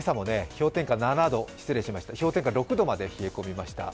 今朝も氷点下６度まで冷え込みました。